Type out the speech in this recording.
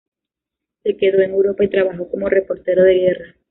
Se quedó en Europa y trabajó como reportero de guerra.